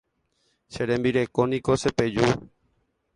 Che rembireko niko chepeju.